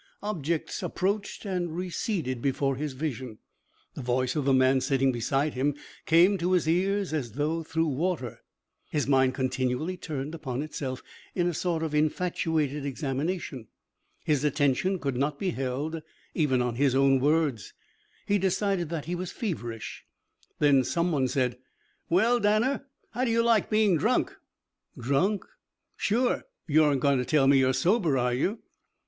Objects approached and receded before his vision. The voice of the man sitting beside him came to his ears as if through water. His mind continually turned upon itself in a sort of infatuated examination. His attention could not be held even on his own words. He decided that he was feverish. Then some one said: "Well, Danner, how do you like being drunk?" "Drunk?" "Sure. You aren't going to tell me you're sober, are you?"